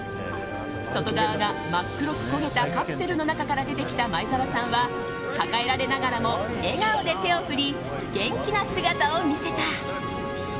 外側が真っ黒く焦げたカプセルの中から出てきた前澤さんは抱えられながらも笑顔で手を振り元気な姿を見せた。